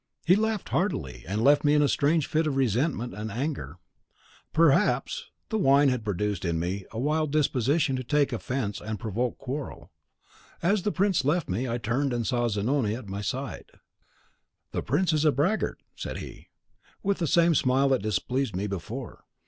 He laughed heartily, and left me in a strange fit of resentment and anger. Perhaps (I must own the truth) the wine had produced in me a wild disposition to take offence and provoke quarrel. As the prince left me, I turned, and saw Zanoni at my side. "'The prince is a braggart,' said he, with the same smile that displeased me before.